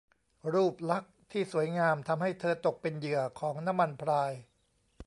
รูปลักษณ์ที่สวยงามทำให้เธอตกเป็นเหยื่อของน้ำมันพราย